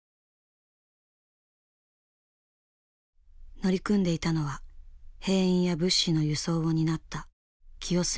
乗り組んでいたのは兵員や物資の輸送を担った清澄丸。